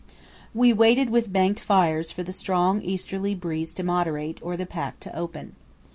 We waited with banked fires for the strong easterly breeze to moderate or the pack to open.